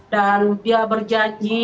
dan dia berjanji